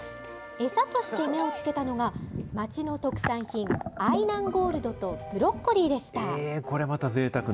餌として目をつけたのが、町の特産品、愛南ゴールドとブロッコリーでした。